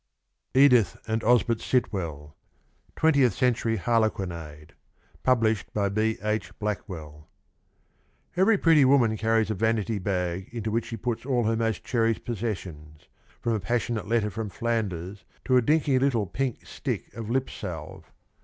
10: Edith and Osbert Sitwell. 20th CENTURY HARLEQUINADE. Published by B. H. Blackwell. Every pretty woman carries a vanity bag into which she puts all her most cherished possessions, from a passionate letter from Flanders to a dinky little pink stick of lip salve.